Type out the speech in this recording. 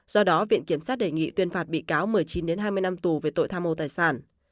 do đó viện kiểm sát đề nghị tuyên phạt bị cáo một mươi chín hai mươi năm tù về tội tham mô tài sản